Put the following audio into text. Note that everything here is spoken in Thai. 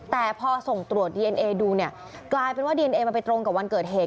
แต่พอส่งตรวจดีเอ็นเอดูเนี่ยกลายเป็นว่าดีเอนเอมันไปตรงกับวันเกิดเหตุ